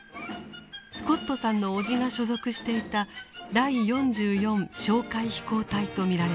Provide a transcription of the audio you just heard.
スコットさんの叔父が所属していた「第４４哨戒飛行隊」と見られます。